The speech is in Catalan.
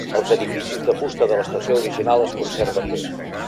Els edificis de fusta de l'estació original es conserven bé.